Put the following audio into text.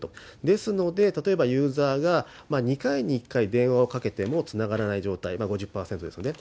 ですので、例えばユーザーが２回に１回電話をかけてもつながらない状態、５０％ですよね。